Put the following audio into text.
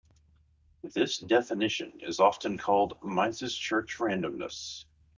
This definition is often called "Mises-Church randomness".